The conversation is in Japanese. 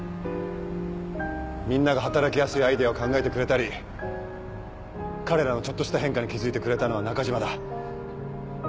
みんなが働きやすいアイデアを考えてくれたり彼らのちょっとした変化に気付いてくれたのは中嶋だ。